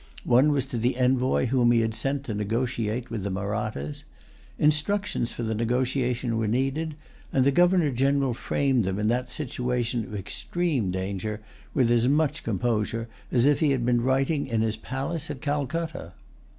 One was to the envoy whom he had sent to negotiate with the Mahrattas. Instructions for the negotiation were needed; and the Governor General framed them in that situation of extreme danger with as much composure as if he had been writing in his palace at Calcutta.